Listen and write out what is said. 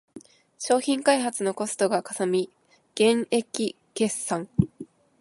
商品開発のコストがかさみ減益決算